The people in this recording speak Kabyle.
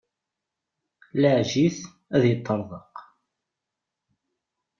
Laɛej it, ad iṭṭerḍeq.